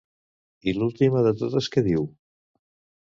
I l'última de totes què diu?